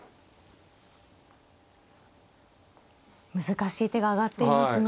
難しい手が挙がっていますが。